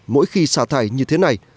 mỗi khi xả thải như thế này